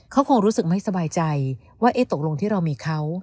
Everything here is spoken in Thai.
เขาคงรู้สึกไม่สบายใจว่าเอ๊ะตกลงที่เรามีเขา